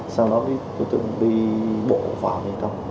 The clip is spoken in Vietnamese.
sau đó đối tượng đi bộ vào bên trong